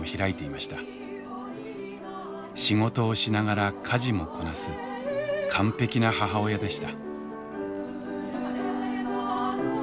仕事をしながら家事もこなす完璧な母親でした。